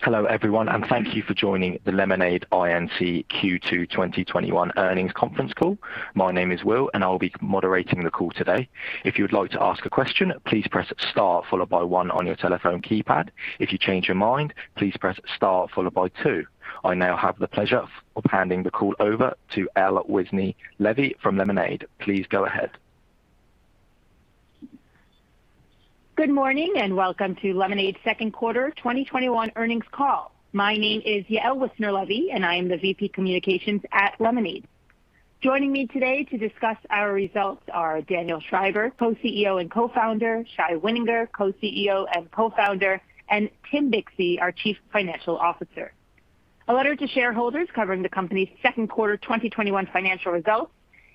Hello everyone, and thank you for joining the Lemonade, Inc. Q2 2021 earnings conference call. My name is Will, and I will be moderating the call today. If you would like to ask a question, please press star followed by one on your telephone keypad. If you change your mind, please press star followed by two. I now have the pleasure of handing the call over to Yael Wissner-Levy from Lemonade. Please go ahead. Good morning and welcome to Lemonade's second quarter 2021 earnings call. My name is Yael Wissner-Levy and I am the VP Communications at Lemonade. Joining me today to discuss our results are Daniel Schreiber, Co-CEO and co-founder, Shai Wininger, Co-CEO and co-founder, and Tim Bixby, our Chief Financial Officer. A letter to shareholders covering the company's second quarter 2021 financial results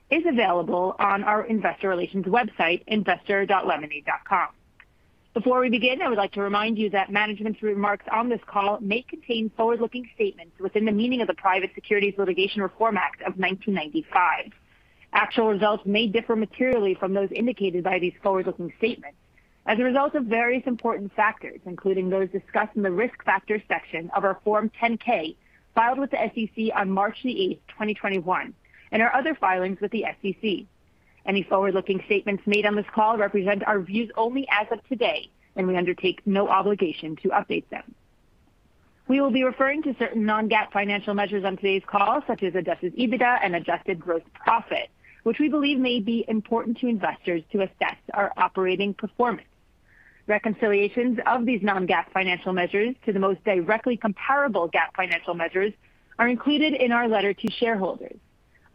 is available on our investor relations website, investor.lemonade.com. Before we begin, I would like to remind you that management's remarks on this call may contain forward-looking statements within the meaning of the Private Securities Litigation Reform Act of 1995. Actual results may differ materially from those indicated by these forward-looking statements as a result of various important factors, including those discussed in the risk factors section of our Form 10-K filed with the SEC on March 8th, 2021, and our other filings with the SEC. Any forward-looking statements made on this call represent our views only as of today, and we undertake no obligation to update them. We will be referring to certain non-GAAP financial measures on today's call, such as adjusted EBITDA and adjusted gross profit, which we believe may be important to investors to assess our operating performance. Reconciliations of these non-GAAP financial measures to the most directly comparable GAAP financial measures are included in our letter to shareholders.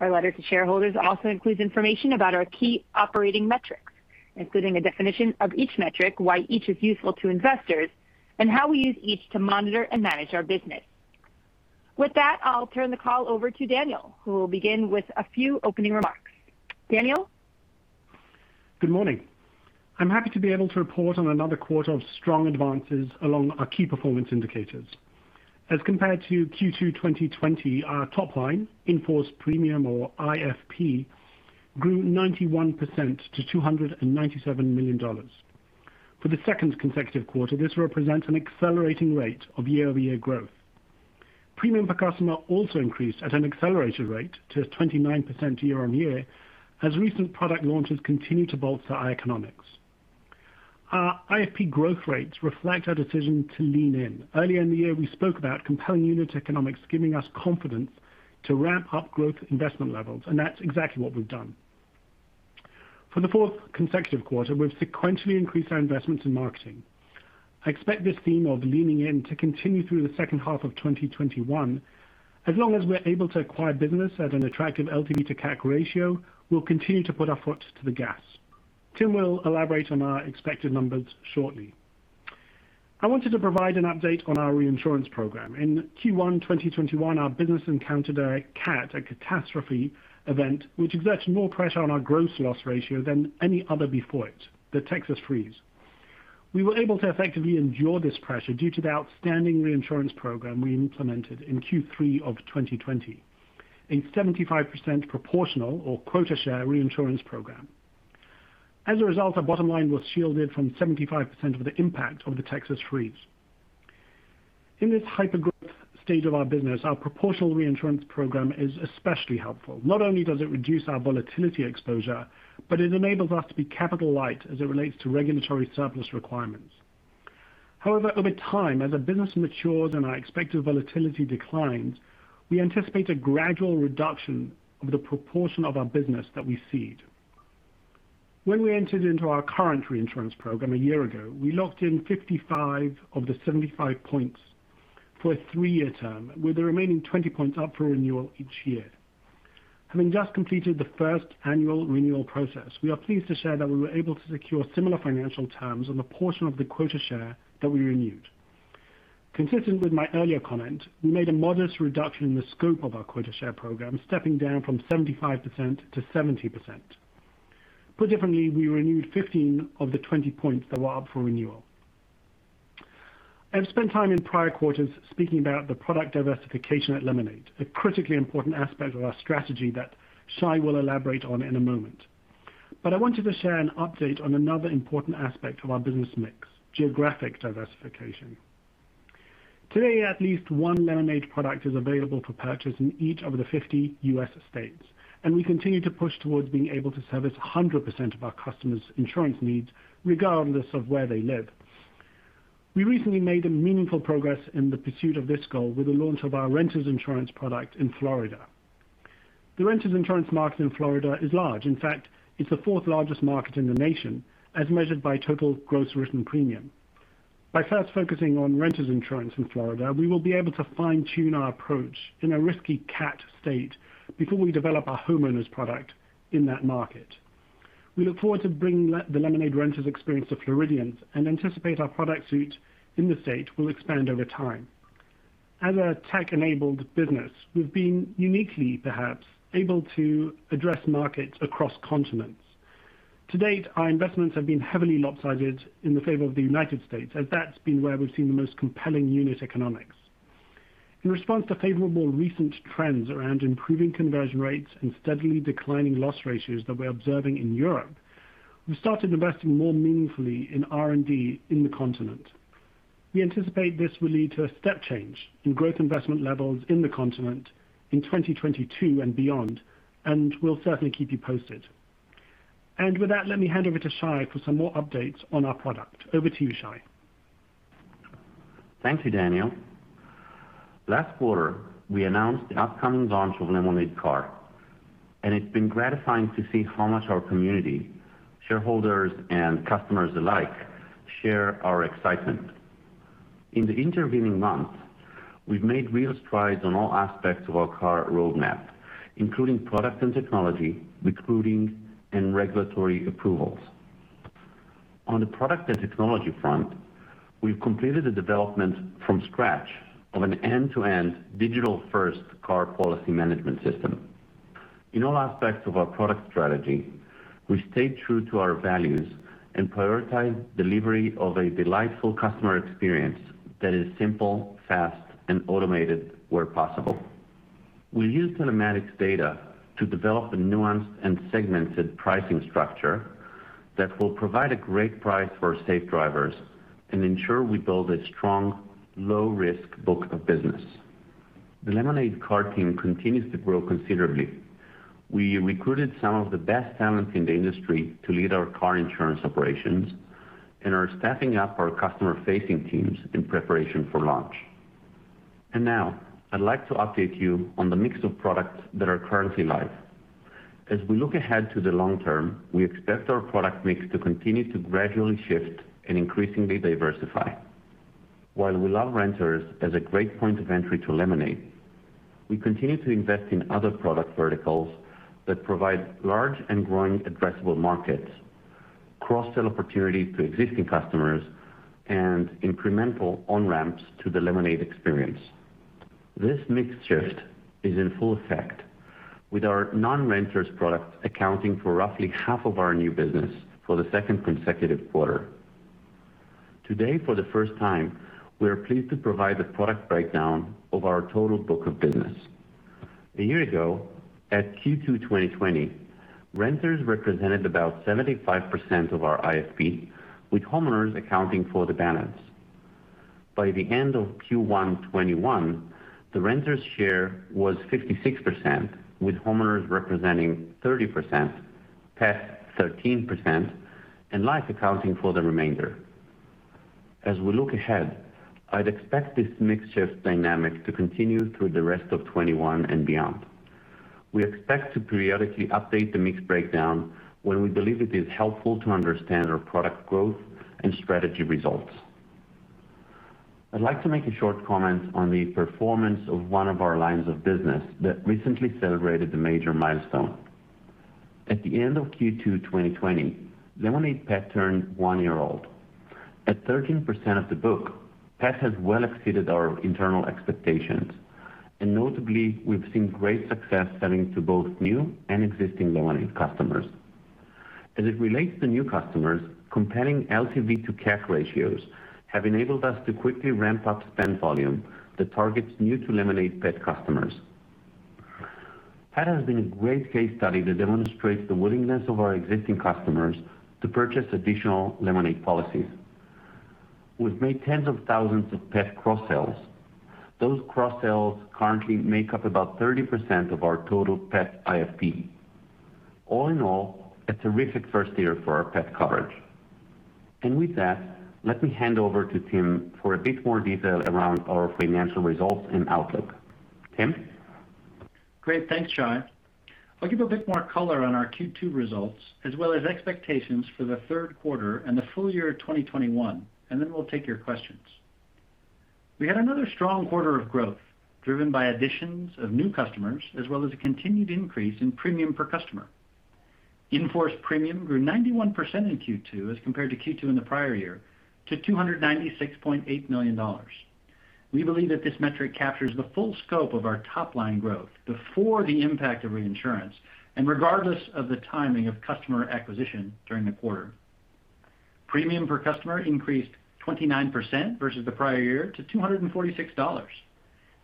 Our letter to shareholders also includes information about our key operating metrics, including a definition of each metric, why each is useful to investors, and how we use each to monitor and manage our business. With that, I'll turn the call over to Daniel, who will begin with a few opening remarks. Daniel? Good morning. I'm happy to be able to report on another quarter of strong advances along our key performance indicators. As compared to Q2 2020, our top line, in-force premium or IFP, grew 91% to $297 million. For the second consecutive quarter, this represents an accelerating rate of year-over-year growth. Premium per customer also increased at an accelerated rate to 29% year-on-year, as recent product launches continue to bolster our economics. Our IFP growth rates reflect our decision to lean in. Earlier in the year, we spoke about compelling unit economics giving us confidence to ramp up growth investment levels, and that's exactly what we've done. For the fourth consecutive quarter, we've sequentially increased our investments in marketing. I expect this theme of leaning in to continue through the second half of 2021. As long as we're able to acquire business at an attractive LTV to CAC ratio, we'll continue to put our foot to the gas. Tim will elaborate on our expected numbers shortly. I wanted to provide an update on our reinsurance program. In Q1 2021, our business encountered a CAT, a catastrophe event, which exerts more pressure on our gross loss ratio than any other before it, the Texas Freeze. We were able to effectively endure this pressure due to the outstanding reinsurance program we implemented in Q3 of 2020, a 75% proportional or quota share reinsurance program. As a result, our bottom line was shielded from 75% of the impact of the Texas Freeze. In this hyper-growth stage of our business, our proportional reinsurance program is especially helpful. Not only does it reduce our volatility exposure, but it enables us to be capital light as it relates to regulatory surplus requirements. However, over time, as our business matures and our expected volatility declines, we anticipate a gradual reduction of the proportion of our business that we cede. When we entered into our current reinsurance program a year ago, we locked in 55 of the 75 points for a three-year term, with the remaining 20 points up for renewal each year. Having just completed the first annual renewal process, we are pleased to share that we were able to secure similar financial terms on the portion of the quota share that we renewed. Consistent with my earlier comment, we made a modest reduction in the scope of our quota share program, stepping down from 75% to 70%. Put differently, we renewed 15 of the 20 points that were up for renewal. I've spent time in prior quarters speaking about the product diversification at Lemonade, a critically important aspect of our strategy that Shai will elaborate on in a moment. I wanted to share an update on another important aspect of our business mix, geographic diversification. Today, at least one Lemonade product is available for purchase in each of the 50 U.S. states, and we continue to push towards being able to service 100% of our customers' insurance needs regardless of where they live. We recently made a meaningful progress in the pursuit of this goal with the launch of our renters insurance product in Florida. The renters insurance market in Florida is large. In fact, it's the 4th largest market in the nation as measured by total gross written premium. By first focusing on renters insurance in Florida, we will be able to fine-tune our approach in a risky CAT state before we develop our homeowners product in that market. We look forward to bringing the Lemonade renters experience to Floridians and anticipate our product suite in the state will expand over time. As a tech-enabled business, we've been uniquely perhaps able to address markets across continents. To date, our investments have been heavily lopsided in the favor of the United States, as that's been where we've seen the most compelling unit economics. In response to favorable recent trends around improving conversion rates and steadily declining loss ratios that we are observing in Europe, we started investing more meaningfully in R&D in the continent. We anticipate this will lead to a step change in growth investment levels in the continent in 2022 and beyond, and we'll certainly keep you posted. With that, let me hand over to Shai for some more updates on our product. Over to you, Shai. Thank you, Daniel. Last quarter, we announced the upcoming launch of Lemonade Car, and it's been gratifying to see how much our community, shareholders, and customers alike share our excitement. In the intervening months, we've made real strides on all aspects of our car roadmap, including product and technology, recruiting, and regulatory approvals. On the product and technology front, we've completed the development from scratch of an end-to-end digital-first car policy management system. In all aspects of our product strategy, we stayed true to our values and prioritize delivery of a delightful customer experience that is simple, fast, and automated where possible. We use telematics data to develop a nuanced and segmented pricing structure that will provide a great price for safe drivers and ensure we build a strong, low-risk book of business. The Lemonade Car team continues to grow considerably. We recruited some of the best talent in the industry to lead our car insurance operations and are staffing up our customer-facing teams in preparation for launch. Now I'd like to update you on the mix of products that are currently live. As we look ahead to the long term, we expect our product mix to continue to gradually shift and increasingly diversify. While we love renters as a great point of entry to Lemonade, we continue to invest in other product verticals that provide large and growing addressable markets, cross-sell opportunities to existing customers, and incremental on-ramps to the Lemonade experience. This mix shift is in full effect with our non-renters products accounting for roughly half of our new business for the second consecutive quarter. Today, for the first time, we are pleased to provide the product breakdown of our total book of business. A year ago, at Q2 2020, renters represented about 75% of our IFP, with homeowners accounting for the balance. By the end of Q1 2021, the renters share was 56%, with homeowners representing 30%, Pet 13%, and life accounting for the remainder. As we look ahead, I'd expect this mix shift dynamic to continue through the rest of 2021 and beyond. We expect to periodically update the mix breakdown when we believe it is helpful to understand our product growth and strategy results. I'd like to make a short comment on the performance of one of our lines of business that recently celebrated a major milestone. At the end of Q2 2020, Lemonade Pet turned one year old. At 13% of the book, Pet has well exceeded our internal expectations, and notably, we've seen great success selling to both new and existing Lemonade customers. As it relates to new customers, compelling LTV to CAC ratios have enabled us to quickly ramp up spend volume that targets new to Lemonade Pet customers. Pet has been a great case study that demonstrates the willingness of our existing customers to purchase additional Lemonade policies. We've made tens of thousands of Pet cross-sells. Those cross-sells currently make up about 30% of our total Pet IFP. All in all, a terrific first year for our Pet coverage. With that, let me hand over to Tim for a bit more detail around our financial results and outlook. Tim? Great. Thanks, Shai. I'll give a bit more color on our Q2 results as well as expectations for the third quarter and the full year 2021, and then we'll take your questions. We had another strong quarter of growth driven by additions of new customers as well as a continued increase in premium per customer. In-force premium grew 91% in Q2 as compared to Q2 in the prior year to $296.8 million. We believe that this metric captures the full scope of our top-line growth before the impact of reinsurance and regardless of the timing of customer acquisition during the quarter. Premium per customer increased 29% versus the prior year to $246.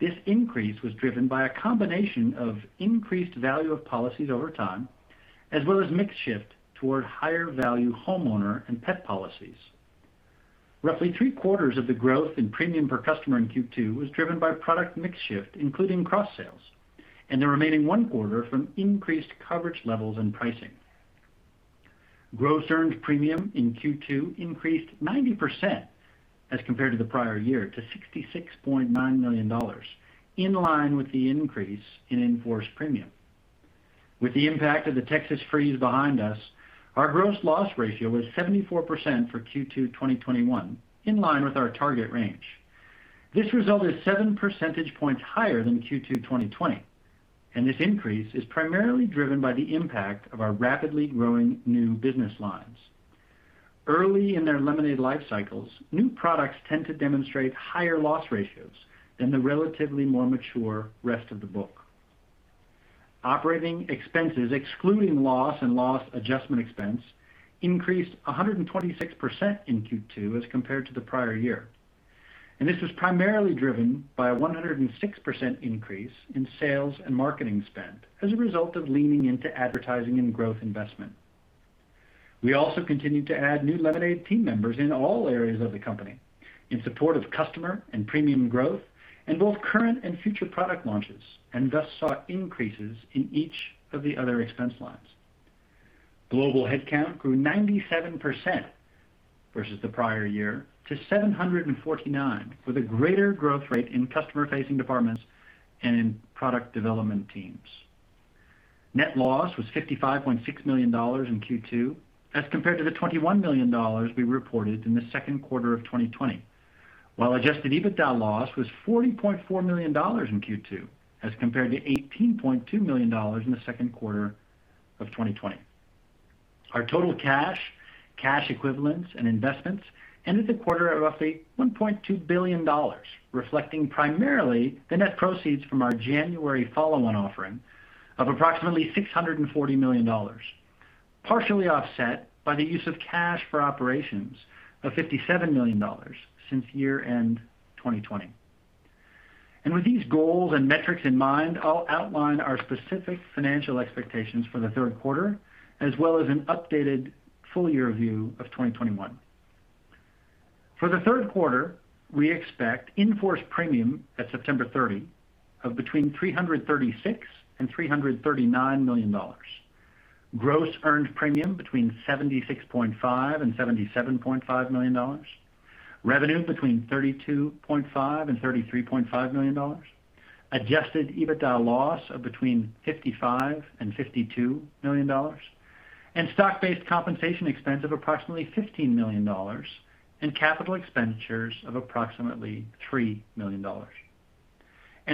This increase was driven by a combination of increased value of policies over time as well as mix shift toward higher value homeowners and pet policies. Roughly three-quarters of the growth in premium per customer in Q2 was driven by product mix shift, including cross-sales, and the remaining one quarter from increased coverage levels and pricing. Gross earned premium in Q2 increased 90% as compared to the prior year to $66.9 million, in line with the increase in in-force premium. With the impact of the Texas Freeze behind us, our gross loss ratio was 74% for Q2 2021, in line with our target range. This result is 7 percentage points higher than Q2 2020, and this increase is primarily driven by the impact of our rapidly growing new business lines. Early in their Lemonade life cycles, new products tend to demonstrate higher loss ratios than the relatively more mature rest of the book. Operating expenses, excluding loss and loss adjustment expense, increased 126% in Q2 as compared to the prior year. This was primarily driven by 106% increase in sales and marketing spend as a result of leaning into advertising and growth investment. We also continued to add new Lemonade team members in all areas of the company in support of customer and premium growth in both current and future product launches, and thus saw increases in each of the other expense lines. Global headcount grew 97% versus the prior year to 749, with a greater growth rate in customer-facing departments and in product development teams. Net loss was $55.6 million in Q2 as compared to the $21 million we reported in the second quarter of 2020. Adjusted EBITDA loss was $40.4 million in Q2 as compared to $18.2 million in the second quarter of 2020. Our total cash equivalents, and investments ended the quarter at roughly $1.2 billion, reflecting primarily the net proceeds from our January follow-on offering of approximately $640 million, partially offset by the use of cash for operations of $57 million since year-end 2020. With these goals and metrics in mind, I'll outline our specific financial expectations for the third quarter, as well as an updated full-year view of 2021. For the third quarter, we expect in-force premium at September 30 of between $336 and $339 million. Gross earned premium between $76.5 and $77.5 million. Revenue between $32.5 and $33.5 million. Adjusted EBITDA loss of between $55 and $52 million. Stock-based compensation expense of approximately $15 million and capital expenditures of approximately $3 million.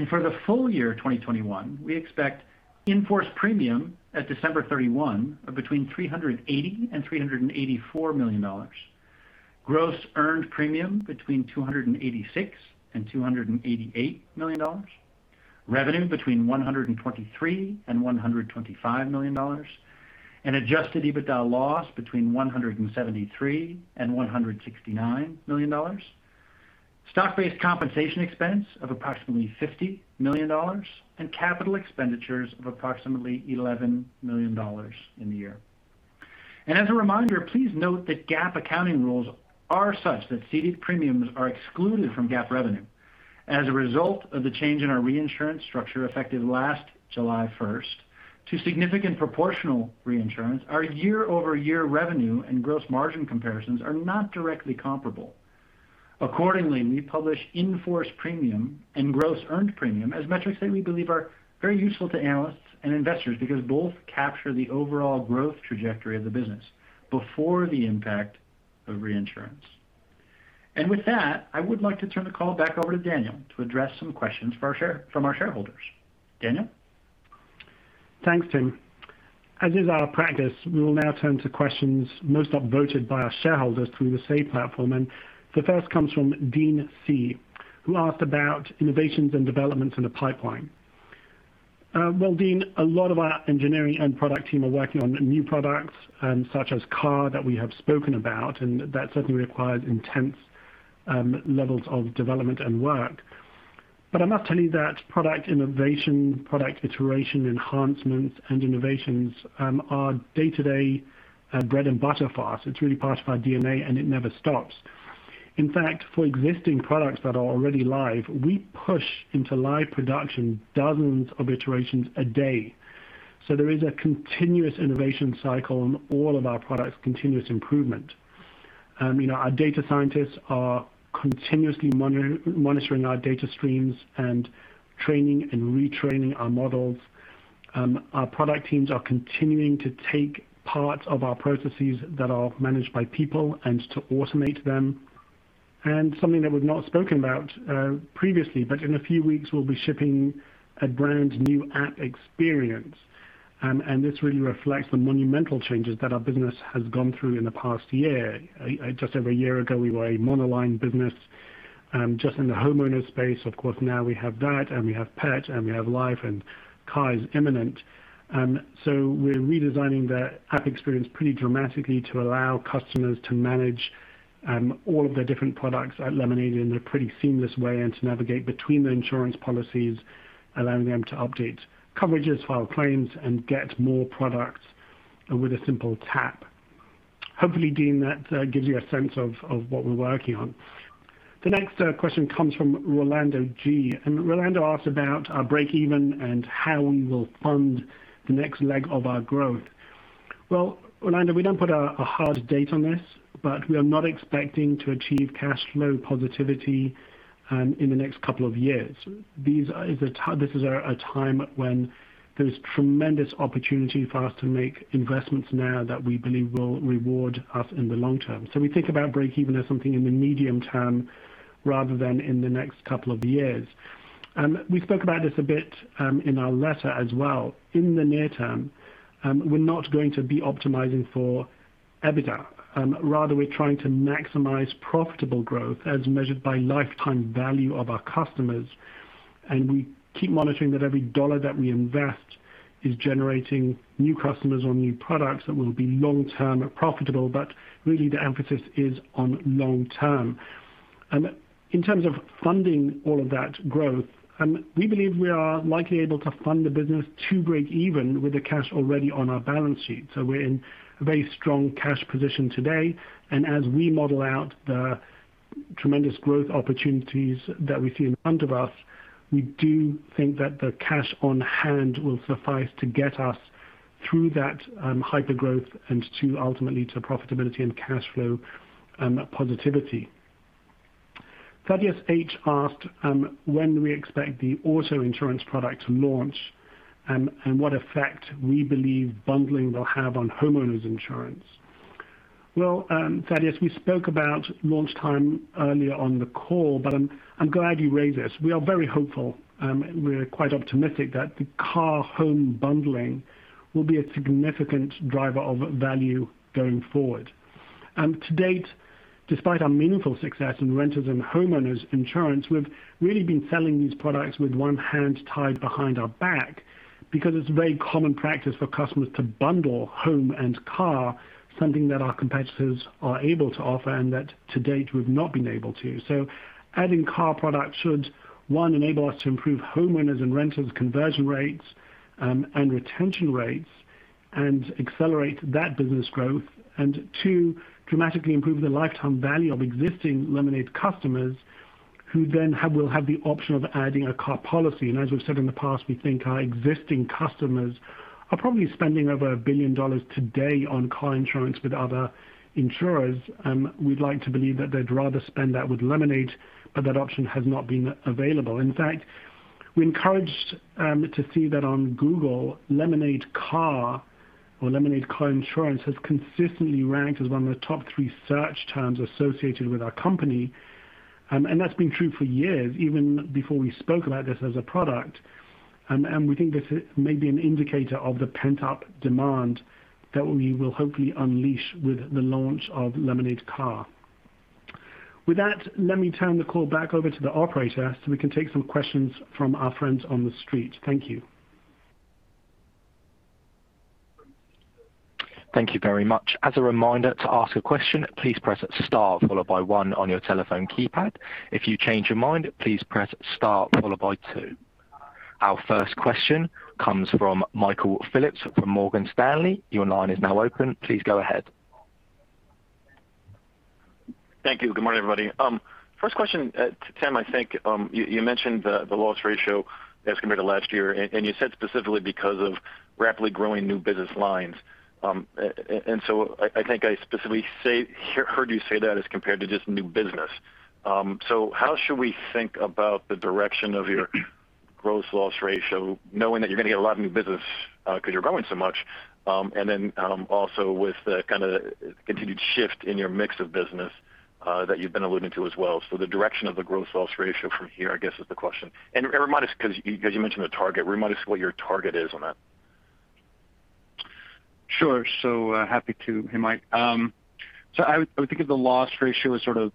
For the full year 2021, we expect in-force premium at December 31 of between $380 and $384 million. Gross earned premium between $286 and $288 million. Revenue between $123 and $125 million. An adjusted EBITDA loss between $173 and $169 million. Stock-based compensation expense of approximately $50 million and capital expenditures of approximately $11 million in the year. As a reminder, please note that GAAP accounting rules are such that ceded premiums are excluded from GAAP revenue. As a result of the change in our reinsurance structure effective last July 1st, to significant proportional reinsurance, our year-over-year revenue and gross margin comparisons are not directly comparable. Accordingly, we publish in-force premium and gross earned premium as metrics that we believe are very useful to analysts and investors because both capture the overall growth trajectory of the business before the impact of reinsurance. With that, I would like to turn the call back over to Daniel to address some questions from our shareholders. Daniel? Thanks, Tim. As is our practice, we will now turn to questions most upvoted by our shareholders through the Say Technologies. The first comes from Dean C, who asked about innovations and developments in the pipeline. Well, Dean, a lot of our engineering and product team are working on new products, such as Car, that we have spoken about, and that certainly requires intense levels of development and work. I must tell you that product innovation, product iteration enhancements and innovations are day-to-day bread and butter for us. It's really part of our DNA, and it never stops. In fact, for existing products that are already live, we push into live production dozens of iterations a day. There is a continuous innovation cycle in all of our products, continuous improvement. Our data scientists are continuously monitoring our data streams and training and retraining our models. Our product teams are continuing to take parts of our processes that are managed by people and to automate them. Something that we've not spoken about previously, but in a few weeks, we'll be shipping a brand new app experience. This really reflects the monumental changes that our business has gone through in the past year. Just over a year ago, we were a monoline business, just in the homeowners space. Of course, now we have that and we have Pet and we have Life and Car is imminent. We're redesigning the app experience pretty dramatically to allow customers to manage all of their different products at Lemonade in a pretty seamless way and to navigate between the insurance policies, allowing them to update coverages, file claims, and get more products with a simple tap. Hopefully, Dean C, that gives you a sense of what we're working on. The next question comes from Rolando G. Rolando asked about our breakeven and how we will fund the next leg of our growth. Well, Rolando, we don't put a hard date on this, we are not expecting to achieve cash flow positivity in the next couple of years. This is a time when there's tremendous opportunity for us to make investments now that we believe will reward us in the long term. We think about breakeven as something in the medium term rather than in the next couple of years. We spoke about this a bit in our letter as well. In the near term, we're not going to be optimizing for EBITDA. Rather, we're trying to maximize profitable growth as measured by lifetime value of our customers. We keep monitoring that every dollar that we invest is generating new customers on new products that will be long-term profitable. Really the emphasis is on long-term. In terms of funding all of that growth, we believe we are likely able to fund the business to break even with the cash already on our balance sheet. We're in a very strong cash position today, and as we model out the tremendous growth opportunities that we see in front of us, we do think that the cash on hand will suffice to get us through that hypergrowth and to ultimately to profitability and cash flow positivity. Thaddeus H. asked when we expect the auto insurance product to launch and what effect we believe bundling will have on homeowners insurance. Well, Thaddeus, we spoke about launch time earlier on the call, but I'm glad you raised this. We are very hopeful. We're quite optimistic that the car/home bundling will be a significant driver of value going forward. To date, despite our meaningful success in renters and homeowners insurance, we've really been selling these products with 1 hand tied behind our back because it's very common practice for customers to bundle home and car, something that our competitors are able to offer and that to date we've not been able to. Adding car products should, 1, enable us to improve homeowners and renters conversion rates and retention rates and accelerate that business growth. 2, dramatically improve the lifetime value of existing Lemonade customers who then will have the option of adding a car policy. As we've said in the past, we think our existing customers are probably spending over $1 billion today on car insurance with other insurers. We'd like to believe that they'd rather spend that with Lemonade, but that option has not been available. In fact, we're encouraged to see that on Google, Lemonade Car or Lemonade car insurance has consistently ranked as one of the top 3 search terms associated with our company. That's been true for years, even before we spoke about this as a product. We think this may be an indicator of the pent-up demand that we will hopefully unleash with the launch of Lemonade Car. With that, let me turn the call back over to the operator so we can take some questions from our friends on the street. Thank you. Thank you very much. As a reminder to ask a question, please press star followed by one on your telephone keypad. If you change your mind, please press star followed by two. Our first question comes from Michael Phillips from Morgan Stanley. Your line is now open. Please go ahead. Thank you. Good morning, everybody. First question, Tim, I think you mentioned the loss ratio as compared to last year, and you said specifically because of rapidly growing new business lines. I think I specifically heard you say that as compared to just new business. How should we think about the direction of your gross loss ratio, knowing that you're going to get a lot of new business because you're growing so much? Also with the kind of continued shift in your mix of business that you've been alluding to as well. The direction of the gross loss ratio from here, I guess, is the question. Remind us, because you mentioned the target, remind us what your target is on that. Sure. Happy to, Mike. I would think of the loss ratio as sort of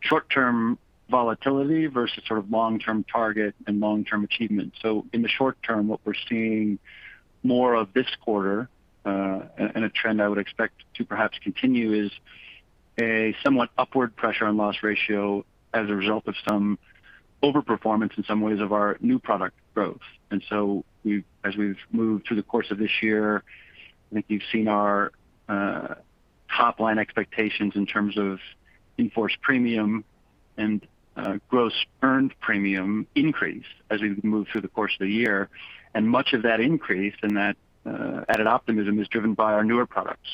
short-term volatility versus long-term target and long-term achievement. In the short term, what we're seeing more of this quarter, and a trend I would expect to perhaps continue, is a somewhat upward pressure on loss ratio as a result of some over-performance in some ways of our new product growth. As we've moved through the course of this year, I think you've seen our top-line expectations in terms of in-force premium and gross earned premium increase as we've moved through the course of the year. Much of that increase and that added optimism is driven by our newer products.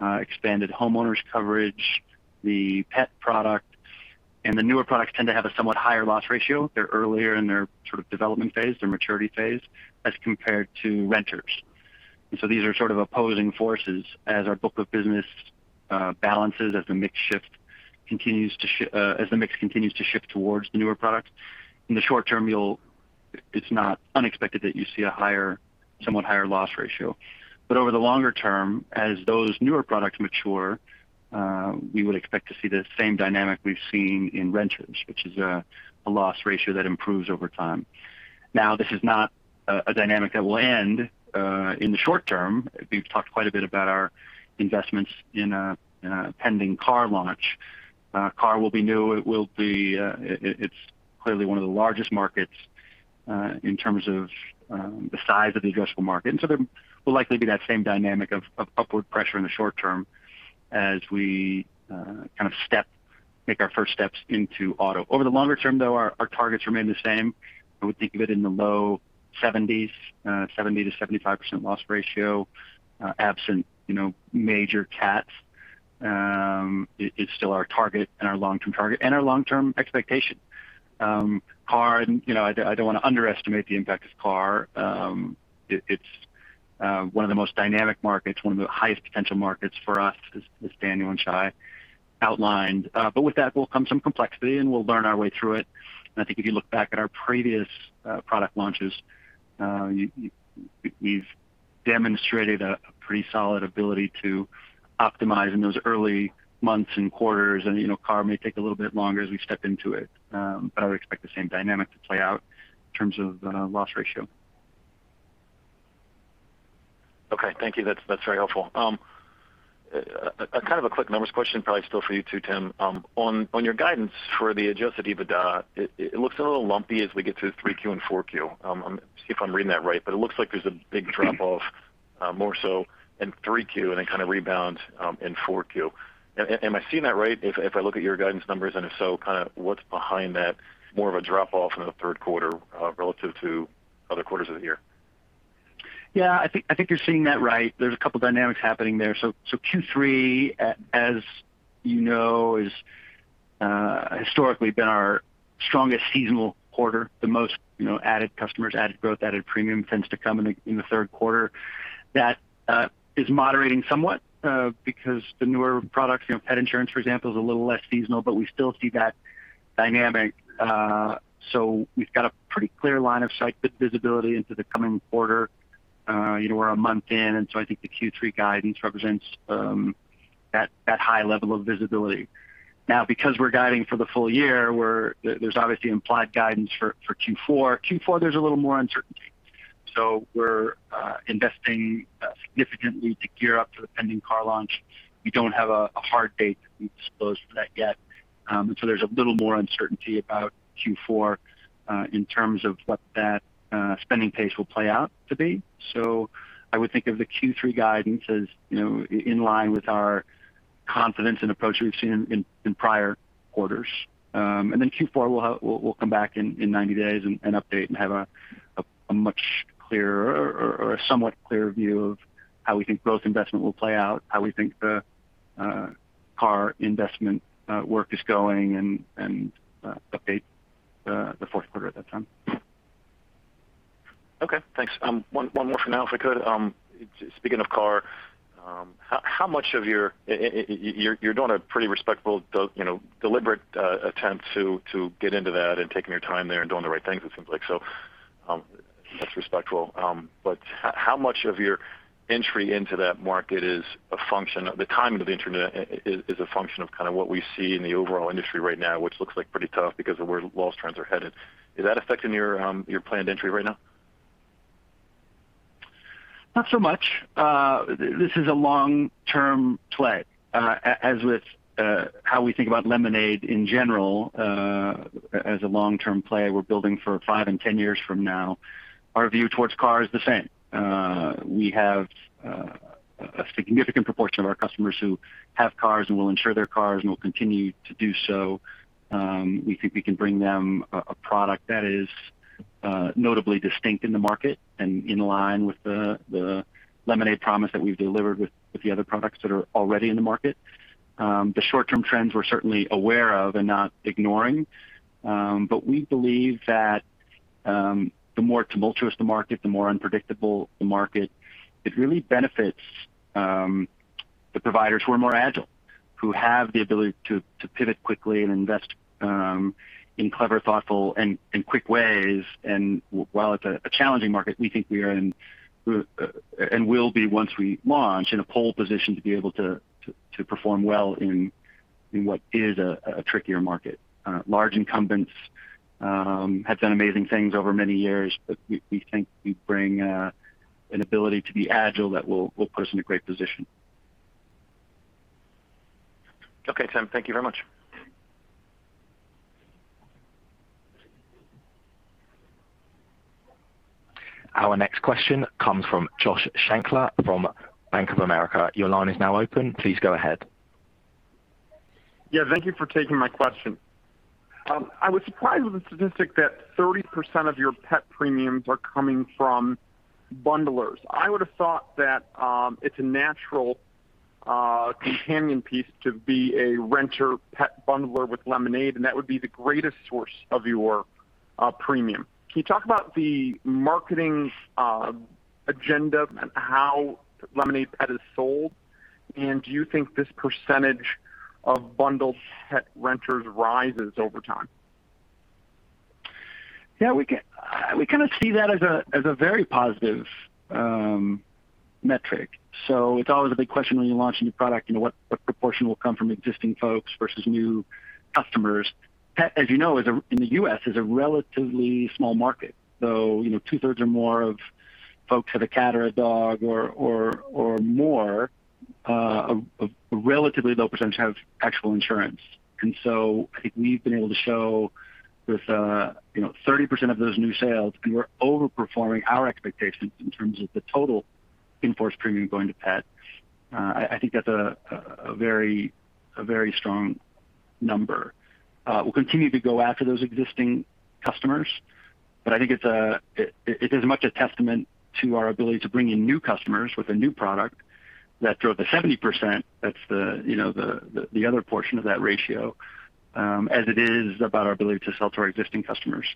Expanded homeowners coverage, the pet product, and the newer products tend to have a somewhat higher loss ratio. They're earlier in their development phase, their maturity phase, as compared to renters. These are sort of opposing forces as our book of business balances, as the mix continues to shift towards the newer products. In the short term, it's not unexpected that you see a somewhat higher loss ratio. Over the longer term, as those newer products mature, we would expect to see the same dynamic we've seen in renters, which is a loss ratio that improves over time. Now, this is not a dynamic that will end in the short term. We've talked quite a bit about our investments in a pending car launch. Car will be new. It's clearly one of the largest markets in terms of the size of the addressable market. There will likely be that same dynamic of upward pressure in the short term as we kind of make our first steps into auto. Over the longer term, though, our targets remain the same. I would think of it in the low 70s, 70%-75% loss ratio, absent major CATs is still our target and our long-term target and our long-term expectation. I don't want to underestimate the impact of car. It's one of the most dynamic markets, one of the highest potential markets for us, as Daniel and Shai outlined. With that will come some complexity, and we'll learn our way through it. I think if you look back at our previous product launches, we've demonstrated a pretty solid ability to optimize in those early months and quarters. Car may take a little bit longer as we step into it. I would expect the same dynamic to play out in terms of loss ratio. Okay. Thank you. That's very helpful. A kind of a quick numbers question, probably still for you too, Tim. On your guidance for the adjusted EBITDA, it looks a little lumpy as we get to 3Q and 4Q. See if I'm reading that right, but it looks like there's a big drop-off more so in 3Q and then kind of rebounds in 4Q. Am I seeing that right if I look at your guidance numbers? If so, what's behind that more of a drop-off in the third quarter relative to other quarters of the year? Yeah, I think you're seeing that right. There's a couple of dynamics happening there. Q3, as you know, has historically been our strongest seasonal quarter. The most added customers, added growth, added premium tends to come in the third quarter. That is moderating somewhat because the newer products, pet insurance, for example, is a little less seasonal. We still see that dynamic. We've got a pretty clear line of sight but visibility into the coming quarter. We're a month in, and so I think the Q3 guidance represents that high level of visibility. Now because we're guiding for the full year, there's obviously implied guidance for Q4. Q4, there's a little more uncertainty. We're investing significantly to gear up for the pending car launch. We don't have a hard date that we've disclosed for that yet. There's a little more uncertainty about Q4 in terms of what that spending pace will play out to be. I would think of the Q3 guidance as in line with our confidence and approach we've seen in prior quarters. Q4, we'll come back in 90 days and update and have a much clearer or a somewhat clearer view of how we think growth investment will play out, how we think the car investment work is going, and update the fourth quarter at that time. Okay, thanks. One more for now, if I could. Speaking of car, you're doing a pretty respectable deliberate attempt to get into that and taking your time there and doing the right things, it seems like, so that's respectable. How much of your entry into that market is a function of the timing of the Internet is a function of kind of what we see in the overall industry right now, which looks pretty tough because of where loss trends are headed. Is that affecting your planned entry right now? Not so much. This is a long-term play. As with how we think about Lemonade in general as a long-term play we're building for five and 10 years from now, our view towards car is the same. We have a significant proportion of our customers who have cars and will insure their cars and will continue to do so. We think we can bring them a product that is notably distinct in the market and in line with the Lemonade promise that we've delivered with the other products that are already in the market. The short-term trends we're certainly aware of and not ignoring. But we believe that the more tumultuous the market, the more unpredictable the market, it really benefits the providers who are more agile, who have the ability to pivot quickly and invest in clever, thoughtful, and quick ways. While it's a challenging market, we think we are in and will be once we launch, in a pole position to be able to perform well in what is a trickier market. Large incumbents have done amazing things over many years, we think we bring an ability to be agile that will put us in a great position. Okay, Tim. Thank you very much. Our next question comes from Josh Shanker from Bank of America. Your line is now open. Please go ahead. Yeah, thank you for taking my question. I was surprised with the statistic that 30% of your pet premiums are coming from bundlers. I would have thought that it's a natural companion piece to be a renter pet bundler with Lemonade, and that would be the greatest source of your premium. Can you talk about the marketing agenda and how Lemonade Pet is sold? Do you think this percentage of bundled pet renters rises over time? Yeah, we kind of see that as a very positive metric. It's always a big question when you launch a new product, what proportion will come from existing folks versus new customers. Pet, as you know, in the U.S., is a relatively small market. Two-thirds or more of folks who have a cat or a dog, a relatively low percentage have actual insurance. I think we've been able to show with 30% of those new sales, and we're over-performing our expectations in terms of the total in-force premium going to pet. I think that's a very strong number. We'll continue to go after those existing customers. I think it is as much a testament to our ability to bring in new customers with a new product that drove the 70%. That's the other portion of that ratio as it is about our ability to sell to our existing customers.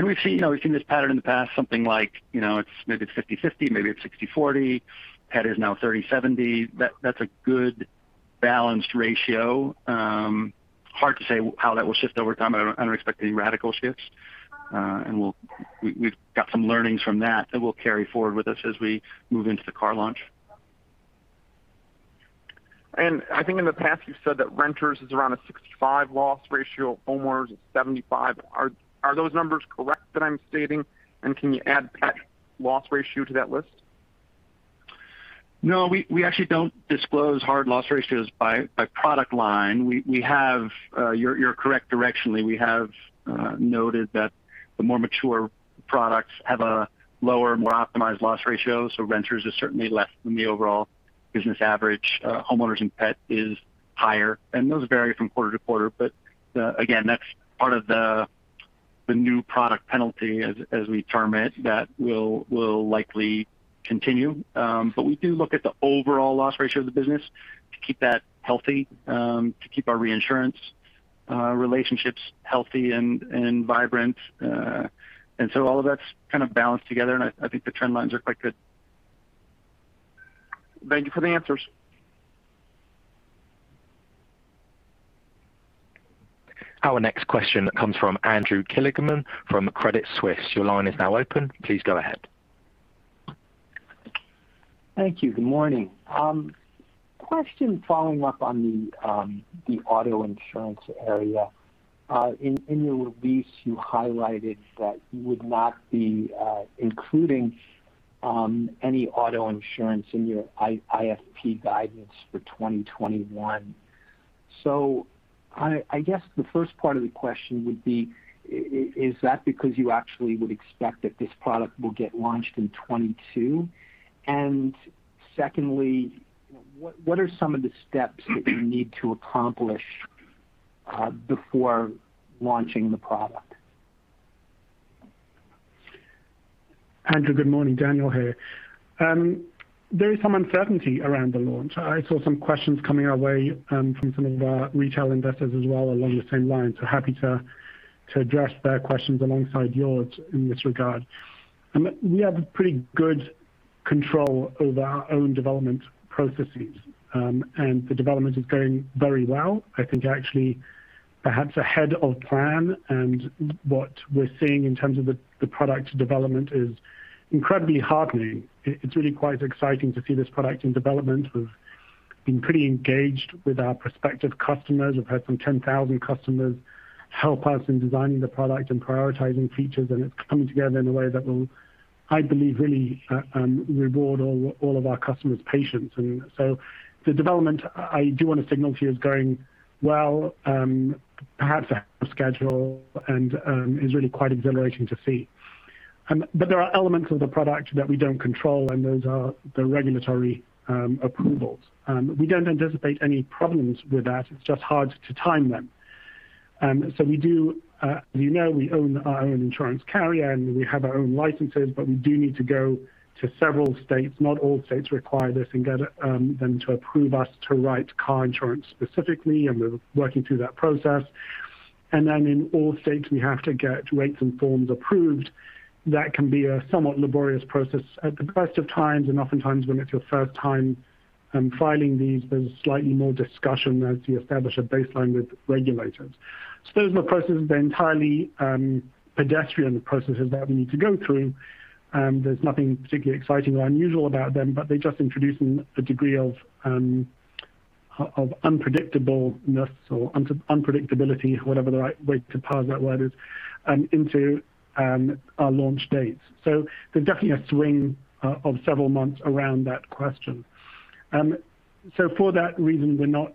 We've seen this pattern in the past, something like, maybe it's 50/50, maybe it's 60/40. Pet is now 30/70. That's a good balanced ratio. Hard to say how that will shift over time, but I don't expect any radical shifts. We've got some learnings from that we'll carry forward with us as we move into the car launch. I think in the past you've said that renters is around a 65 loss ratio, homeowners is 75. Are those numbers correct that I'm stating? Can you add pet loss ratio to that list? We actually don't disclose hard loss ratios by product line. You're correct directionally. We have noted that the more mature products have a lower, more optimized loss ratio. Renters is certainly less than the overall business average. Homeowners and pet is higher, and those vary from quarter to quarter. Again, that's part of the new product penalty as we term it, that will likely continue. We do look at the overall loss ratio of the business to keep that healthy, to keep our reinsurance relationships healthy and vibrant. All of that's balanced together, and I think the trend lines are quite good. Thank you for the answers. Our next question comes from Andrew Kligerman from Credit Suisse. Your line is now open. Please go ahead. Thank you. Good morning. Question following up on the auto insurance area. In your release, you highlighted that you would not be including any auto insurance in your IFP guidance for 2021. I guess the first part of the question would be, is that because you actually would expect that this product will get launched in 2022? Secondly, what are some of the steps that you need to accomplish before launching the product? Andrew, good morning. Daniel here. There is some uncertainty around the launch. I saw some questions coming our way from some of our retail investors as well along the same lines. Happy to address their questions alongside yours in this regard. We have pretty good control over our own development processes. The development is going very well, I think actually perhaps ahead of plan. What we're seeing in terms of the product development is incredibly heartening. It's really quite exciting to see this product in development. We've been pretty engaged with our prospective customers. We've had some 10,000 customers help us in designing the product and prioritizing features, and it's coming together in a way that will, I believe, really reward all of our customers' patience. The development I do want to signal to you is going well, perhaps ahead of schedule, and is really quite exhilarating to see. There are elements of the product that we don't control, and those are the regulatory approvals. We don't anticipate any problems with that. It's just hard to time them. We do, as you know, we own our own insurance carrier, and we have our own licenses, but we do need to go to several states, not all states require this, and get them to approve us to write car insurance specifically, and we're working through that process. In all states, we have to get rates and forms approved. That can be a somewhat laborious process at the best of times, and oftentimes when it's your first time filing these, there's slightly more discussion as you establish a baseline with regulators. Those are processes. They're entirely pedestrian processes that we need to go through. There's nothing particularly exciting or unusual about them, but they're just introducing a degree of unpredictableness or unpredictability, whatever the right way to parse that word is, into our launch dates. There's definitely a swing of several months around that question. For that reason, we're not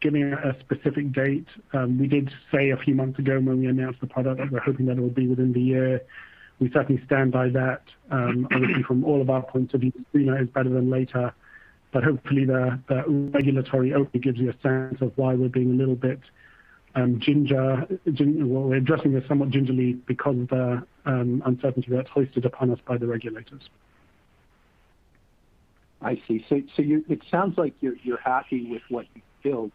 giving a specific date. We did say a few months ago when we announced the product that we're hoping that it will be within the year. We certainly stand by that. Obviously from all of our points of view, it's better than later. Hopefully the regulatory overview gives you a sense of why we're being a little bit gingerly. Well, we're addressing this somewhat gingerly because of the uncertainty that's hoisted upon us by the regulators. I see. It sounds like you're happy with what you've built,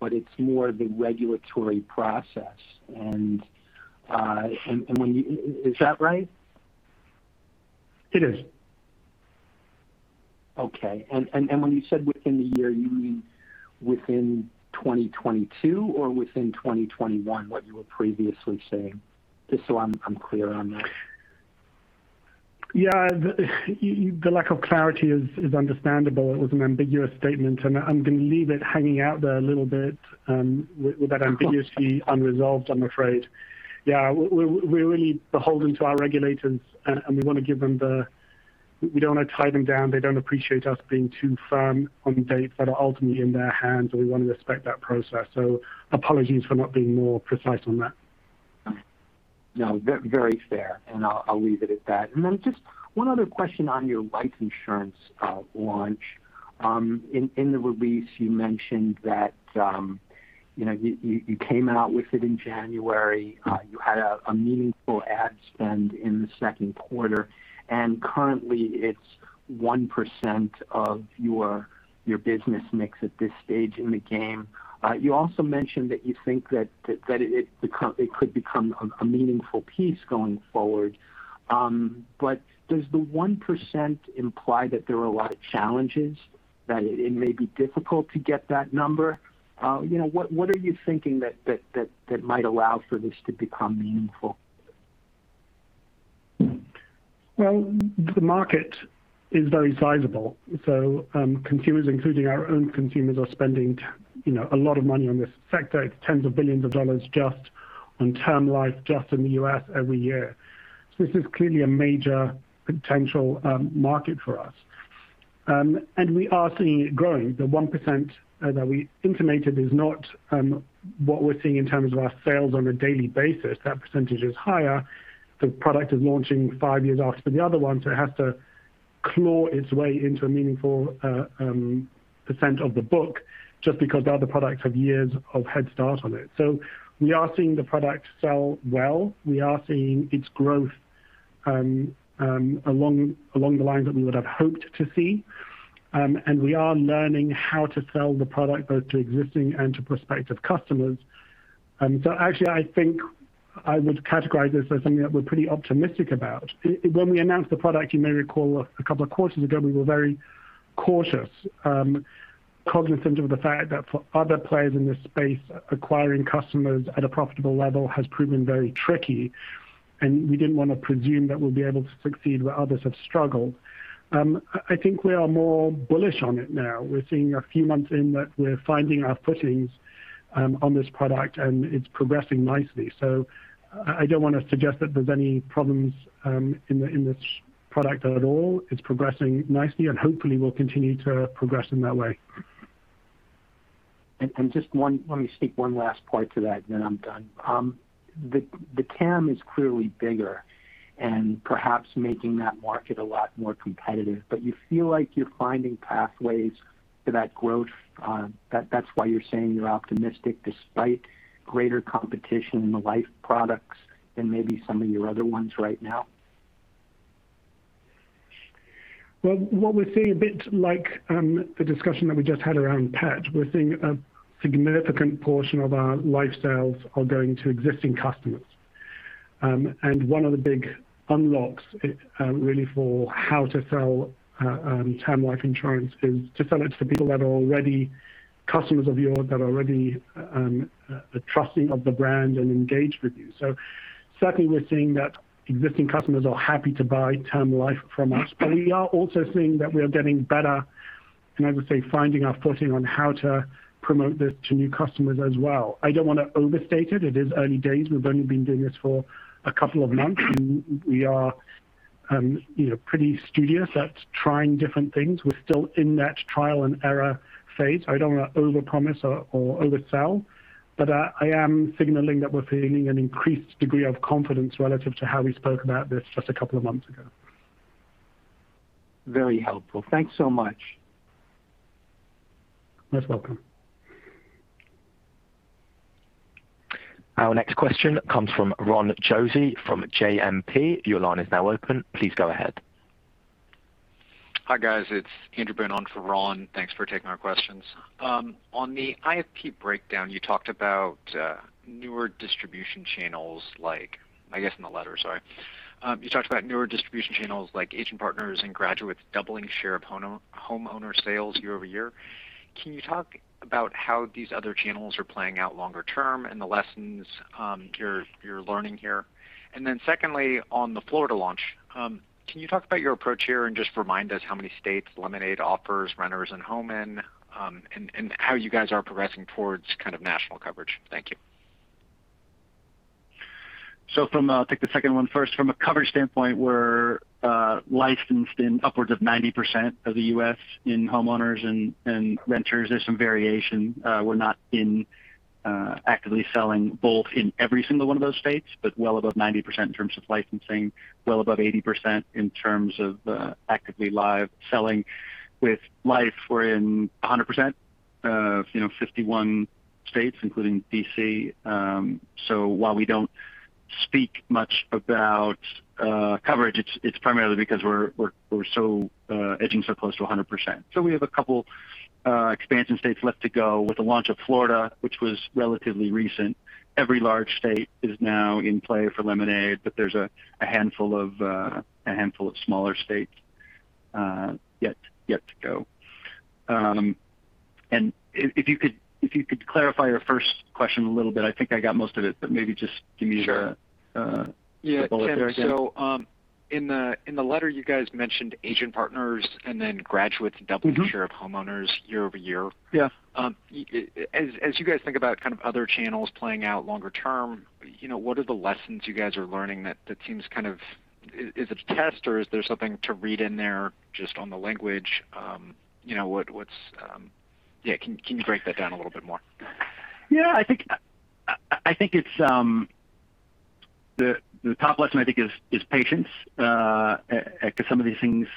but it's more the regulatory process. Is that right? It is. Okay. When you said within the year, you mean within 2022 or within 2021, what you were previously saying? Just so I'm clear on that. Yeah. The lack of clarity is understandable. It was an ambiguous statement, and I'm going to leave it hanging out there a little bit with that ambiguity unresolved, I'm afraid. Yeah, we're really beholden to our regulators, and we don't want to tie them down. They don't appreciate us being too firm on dates that are ultimately in their hands, and we want to respect that process. Apologies for not being more precise on that. No, very fair, and I'll leave it at that. Then just one other question on your life insurance launch. In the release, you mentioned that you came out with it in January. You had a meaningful ad spend in the second quarter, and currently it's 1% of your business mix at this stage in the game. You also mentioned that you think that it could become a meaningful piece going forward. Does the 1% imply that there are a lot of challenges, that it may be difficult to get that number? What are you thinking that might allow for this to become meaningful? The market is very sizable. Consumers, including our own consumers, are spending a lot of money on this sector. It's tens of billions of dollars just on term life, just in the U.S. every year. This is clearly a major potential market for us. We are seeing it growing. The 1% that we intimated is not what we're seeing in terms of our sales on a daily basis. That percentage is higher. The product is launching 5 years after the other one, so it has to claw its way into a meaningful percent of the book just because the other products have years of head start on it. We are seeing the product sell well. We are seeing its growth along the lines that we would have hoped to see. We are learning how to sell the product both to existing and to prospective customers. Actually, I think I would categorize this as something that we're pretty optimistic about. When we announced the product, you may recall a couple of quarters ago, we were very cautious, cognizant of the fact that for other players in this space, acquiring customers at a profitable level has proven very tricky, and we didn't want to presume that we'll be able to succeed where others have struggled. I think we are more bullish on it now. We're seeing a few months in that we're finding our footings on this product, and it's progressing nicely. I don't want to suggest that there's any problems in this product at all. It's progressing nicely, and hopefully will continue to progress in that way. Just let me speak one last point to that and then I'm done. The TAM is clearly bigger and perhaps making that market a lot more competitive, but you feel like you're finding pathways to that growth. That's why you're saying you're optimistic despite greater competition in the life products than maybe some of your other ones right now? What we're seeing, a bit like the discussion that we just had around pet, we're seeing a significant portion of our life sales are going to existing customers. One of the big unlocks really for how to sell term life insurance is to sell it to people that are already customers of yours, that are already trusting of the brand and engaged with you. Certainly, we're seeing that existing customers are happy to buy term life from us, but we are also seeing that we are getting better, and I would say, finding our footing on how to promote this to new customers as well. I don't want to overstate it. It is early days. We've only been doing this for a couple of months. We are pretty studious at trying different things. We're still in that trial and error phase. I don't want to overpromise or oversell, but I am signaling that we're feeling an increased degree of confidence relative to how we spoke about this just a couple of months ago. Very helpful. Thanks so much. Most welcome. Our next question comes from Ron Josey from JMP. Your line is now open. Please go ahead. Hi, guys. It's Andrew Boone on for Ron. Thanks for taking our questions. On the IFP breakdown, you talked about newer distribution channels like, I guess in the letter, sorry. You talked about newer distribution channels like agent partners and graduates doubling share of homeowner sales year-over-year. Can you talk about how these other channels are playing out longer term and the lessons you're learning here? Then secondly, on the Florida launch, can you talk about your approach here and just remind us how many states Lemonade offers renters and homeowners in, and how you guys are progressing towards kind of national coverage? Thank you. From, I'll take the second one first. From a coverage standpoint, we're licensed in upwards of 90% of the U.S. in homeowners and renters. There's some variation. We're not in actively selling both in every single one of those states, but well above 90% in terms of licensing, well above 80% in terms of actively live selling. With life, we're in 100% of 51 states, including D.C. While we don't speak much about coverage, it's primarily because we're edging so close to 100%. We have a couple expansion states left to go with the launch of Florida, which was relatively recent. Every large state is now in play for Lemonade, but there's a handful of smaller states yet to go. If you could clarify your first question a little bit, I think I got most of it, but maybe just give me the- Sure bullet there again. Yeah. In the letter, you guys mentioned agent partners and then graduates doubling share of homeowners year-over-year. Yeah. As you guys think about kind of other channels playing out longer term, what are the lessons you guys are learning? Is it a test or is there something to read in there just on the language? Can you break that down a little bit more? Yeah. The top lesson I think is patience, because some of these things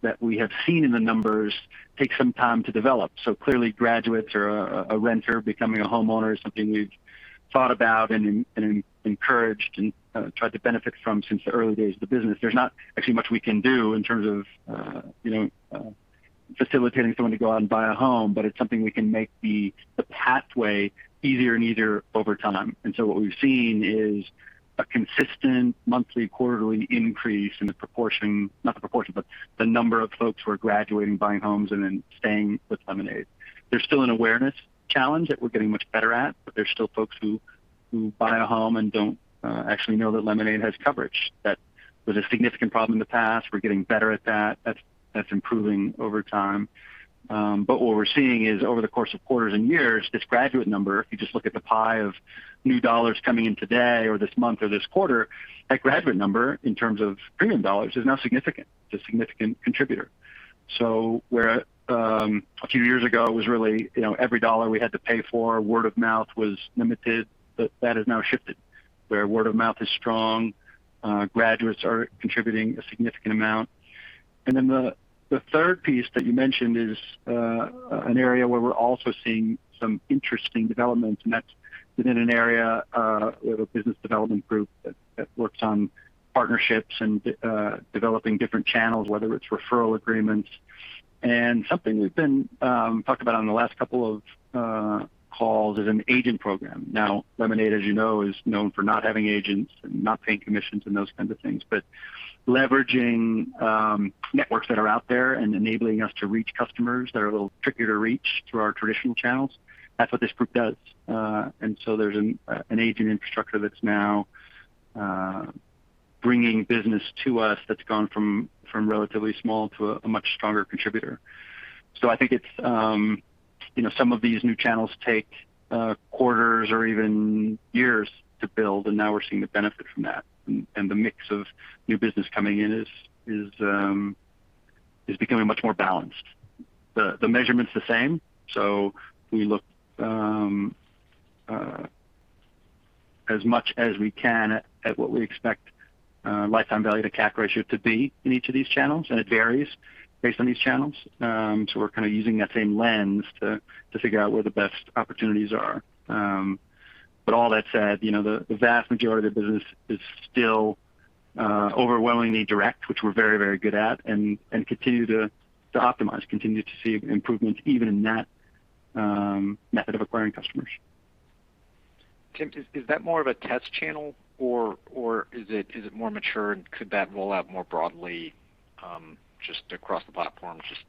that we have seen in the numbers take some time to develop. Clearly graduates or a renter becoming a homeowner is something we've thought about and encouraged and tried to benefit from since the early days of the business. There's not actually much we can do in terms of. facilitating someone to go out and buy a home, but it's something we can make the pathway easier and easier over time. What we've seen is a consistent monthly, quarterly increase in the proportion, not the proportion, but the number of folks who are graduating, buying homes, and then staying with Lemonade. There's still an awareness challenge that we're getting much better at, but there's still folks who buy a home and don't actually know that Lemonade has coverage. That was a significant problem in the past. We're getting better at that. That's improving over time. What we're seeing is over the course of quarters and years, this graduate number, if you just look at the pie of new dollars coming in today or this month or this quarter, that graduate number in terms of premium dollars is now significant. It's a significant contributor. Where a few years ago it was really every dollar we had to pay for, word of mouth was limited, but that has now shifted where word of mouth is strong. Graduates are contributing a significant amount. The third piece that you mentioned is an area where we're also seeing some interesting developments, and that's been in an area. We have a business development group that works on partnerships and developing different channels, whether it's referral agreements. Something we've been talking about on the last couple of calls is an agent program. Lemonade, as you know, is known for not having agents and not paying commissions and those kinds of things. Leveraging networks that are out there and enabling us to reach customers that are a little trickier to reach through our traditional channels, that's what this group does. There's an agent infrastructure that's now bringing business to us that's gone from relatively small to a much stronger contributor. I think some of these new channels take quarters or even years to build, and now we're seeing the benefit from that. The mix of new business coming in is becoming much more balanced. The measurement's the same, so we look as much as we can at what we expect lifetime value to CAC ratio to be in each of these channels, and it varies based on these channels. We're kind of using that same lens to figure out where the best opportunities are. All that said, the vast majority of the business is still overwhelmingly direct, which we're very, very good at and continue to optimize, continue to see improvements even in that method of acquiring customers. Tim, is that more of a test channel or is it more mature and could that roll out more broadly just across the platform just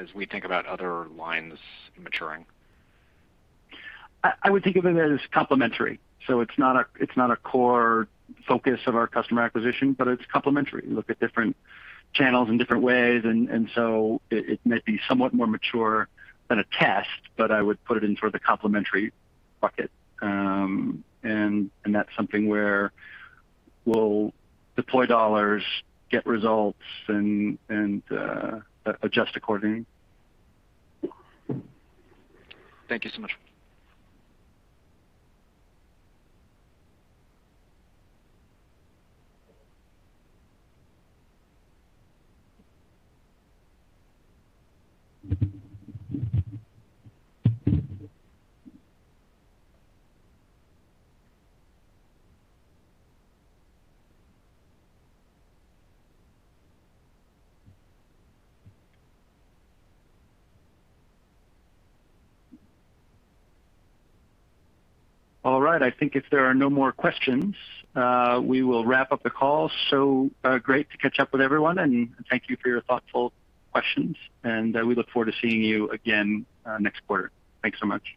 as we think about other lines maturing? I would think of it as complementary. It's not a core focus of our customer acquisition, but it's complementary. We look at different channels in different ways. It might be somewhat more mature than a test, but I would put it in sort of the complementary bucket. That's something where we'll deploy dollars, get results, and adjust accordingly. Thank you so much. All right. I think if there are no more questions, we will wrap up the call. Great to catch up with everyone, and thank you for your thoughtful questions. We look forward to seeing you again next quarter. Thanks so much.